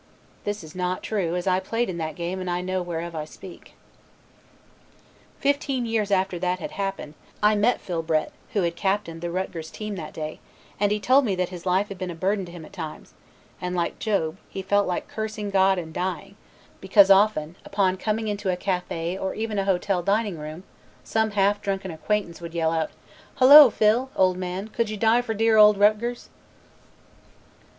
This is not true as I played in that game and know whereof I speak. Fifteen years after that had happened, I met Phil Brett who had captained the Rutgers Team that day, and he told me that his life had been a burden to him at times, and like Job, he felt like cursing God and dying, because often upon coming into a café or even a hotel dining room some half drunken acquaintance would yell out, "Hello, Phil, old man, could you die for dear Old Rutgers?"